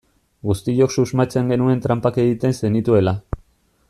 Guztiok susmatzen genuen tranpak egiten zenituela.